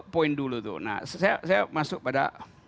poin dulu tuh nah saya masuk pada